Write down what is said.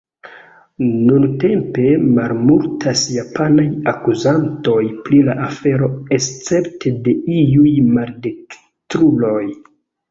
Nuntempe malmultas japanaj akuzantoj pri la afero escepte de iuj maldekstruloj.